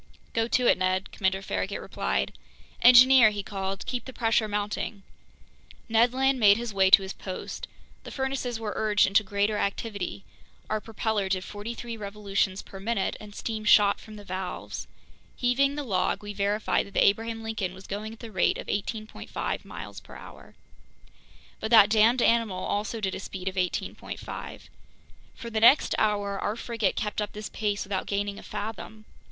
"Go to it, Ned," Commander Farragut replied. "Engineer," he called, "keep the pressure mounting!" Ned Land made his way to his post. The furnaces were urged into greater activity; our propeller did forty three revolutions per minute, and steam shot from the valves. Heaving the log, we verified that the Abraham Lincoln was going at the rate of 18.5 miles per hour. But that damned animal also did a speed of 18.5. For the next hour our frigate kept up this pace without gaining a fathom!